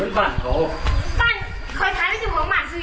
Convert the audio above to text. นี่ควันอีกแล้ว